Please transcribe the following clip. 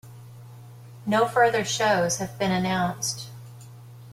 No further shows have been announced.